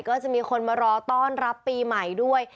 ก็จะมีคนมารอต้อนรับปีใหม่ด้วย